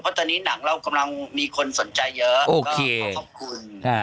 เพราะตอนนี้หนังเรากำลังมีคนสนใจเยอะ